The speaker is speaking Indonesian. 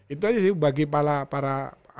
itu aja sih bagi para